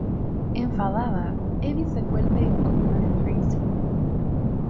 Enfadada, Evie se vuelve en contra de Tracy.